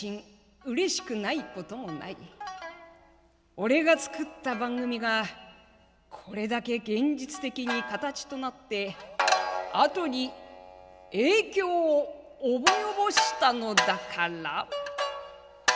俺が作った番組がこれだけ現実的に形となってあとに影響を及ぼしたのだから」。